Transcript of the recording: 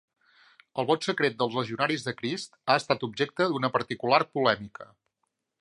El vot de secret dels Legionaris de Crist ha estat objecte d'una particular polèmica.